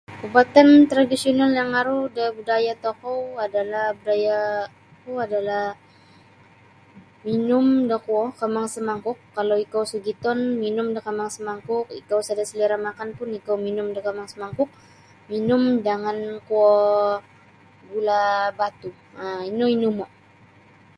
Ubatana tradisional yang aru da budaya tokou adalah budaya budaya ku minum da kuo kambang semangkuk kalau ikau sogiton minum da kambang semangkuk ikau sada selera makan pun ikau minum da kambang semangkuk minum jangan kuo gula batu um ino inumo.